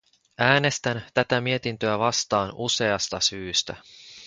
Äänestän tätä mietintöä vastaan useasta syystä.